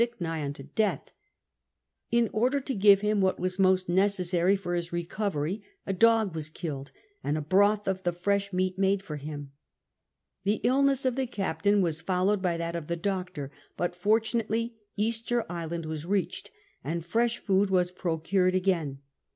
k nigh unto death. In oi dci; to give him what was iriost neces sary for his recovery a <log was killed, and a broth of the fresh meat made for him. The illness of the cap tain was followed by tliat of the doctor, but fortunately Easter Island Avas reached, and fresh food was jn'oeured again.